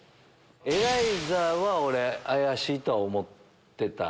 エライザは俺怪しいと思ってた。